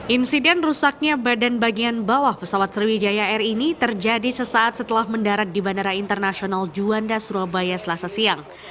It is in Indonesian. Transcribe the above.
insiden rusaknya badan bagian bawah pesawat sriwijaya air ini terjadi sesaat setelah mendarat di bandara internasional juanda surabaya selasa siang